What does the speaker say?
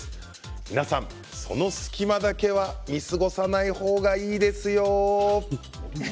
皆さん、その隙間だけは見過ごさない方がいいですよ。